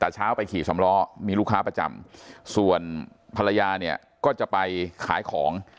แต่เช้าไปขี่สำล้อมีลูกค้าประจำส่วนภรรยาเนี่ยก็จะไปขายของ